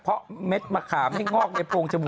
เพราะเม็ดมะขามให้งอกในโพงจมูก